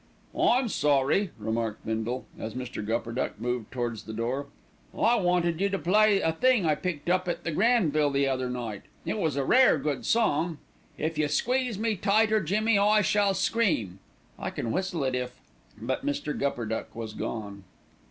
"I'm sorry," remarked Bindle, as Mr. Gupperduck moved towards the door. "I wanted you to play a thing I picked up at The Granville the other night. It was a rare good song, 'If You Squeeze Me Tighter, Jimmie, I Shall Scream.' I can whistle it if " but Mr. Gupperduck was gone.